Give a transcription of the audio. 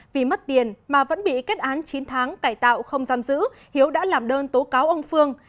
vì mất tiền mà vẫn bị kết án chín tháng cải tạo không giam giữ hiếu đã làm đơn tố cáo ông phương